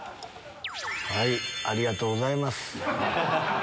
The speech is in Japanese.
ありがとうございます！